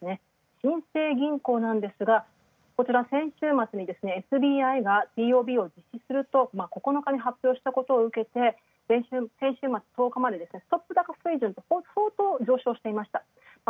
新生銀行なんですが、こちら先週末にＳＢＩがＴＯＢを実施すると９日に発表したことを受けて、先週末、ストップ高水準をそうとう上昇していた。